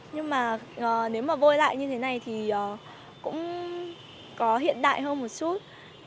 nhưng mà nếu mà vôi lại như thế này thì cũng có hiện đại hơn một chút